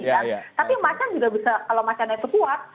tapi macan juga bisa kalau macannya itu kuat